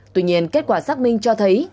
tuy nhiên kết quả xác minh cho thấy